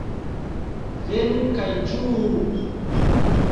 Venu kaj ĝuu!